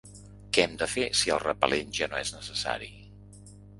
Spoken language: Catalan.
Què hem de fer si el repel·lent ja no és necessari?